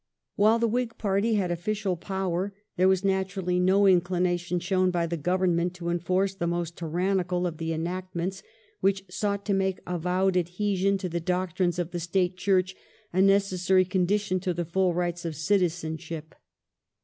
While the Whig party had oflScial power there was naturally no incHnation shown by the Govern ment to enforce the most tyrannical of the enact ments which sought to make avowed adhesion to the doctrines of the State Church a necessary con dition to the full rights of citizenship.